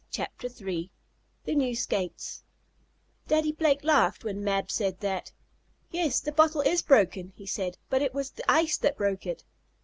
CHAPTER III THE NEW SKATES Daddy Blake laughed when Mab said that. "Yes, the bottle is broken," he said, "but it was the ice that broke it."